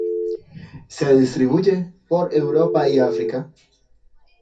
Se distribuye por Europa y África.